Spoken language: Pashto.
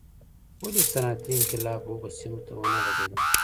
ولې صنعتي انقلاب هغو سیمو ته ونه غځېدل.